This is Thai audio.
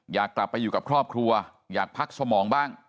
อยากกลับไปอยู่กับครอบครัวอยากพักสมองบ้าง